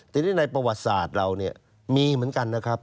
ทีนี้ในประวัติศาสตร์เราเนี่ยมีเหมือนกันนะครับ